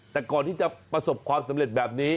แต่ก่อนที่จะประสบความสำเร็จแบบนี้